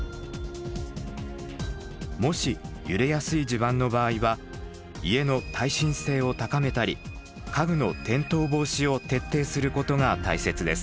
もし揺れやすい地盤の場合は家の耐震性を高めたり家具の転倒防止を徹底することが大切です。